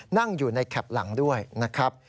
นั่งอยู่ในแคปหลังด้วยนะครับ